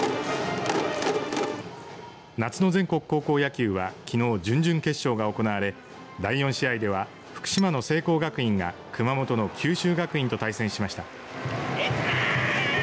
夏の全国高校野球はきのう準々決勝が行われ第４試合では福島の聖光学院が熊本の九州学院と対戦しました。